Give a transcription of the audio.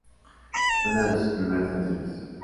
Fue una de sus primeras canciones.